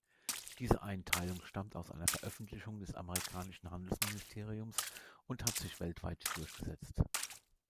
Diese Einteilung stammt aus einer Veröffentlichung des amerikanischen Handelsministeriums und hat sich weltweit durchgesetzt.